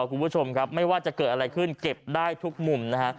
คุณผู้ชมครับไม่ว่าจะเกิดอะไรขึ้นเก็บได้ทุกมุมนะฮะ